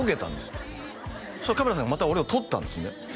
よそしたらカメラさんがまた俺を撮ったんですよね